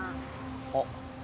あっ。